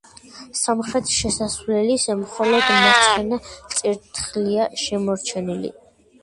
სამხრეთი შესასვლელის მხოლოდ მარცხენა წირთხლია შემორჩენილი.